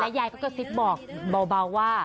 แล้วยายก็ก็สิบบอกเบาว่า